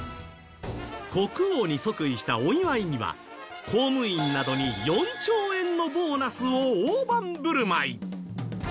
国王に即位したお祝いには公務員などに４兆円のボーナスを大盤振る舞い。